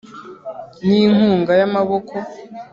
n’inkunga y’amaboko